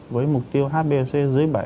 với mục tiêu hbfc dưới bảy